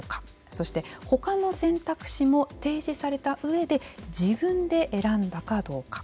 そして他の選択肢も提示されたうえで自分で選んだかどうか。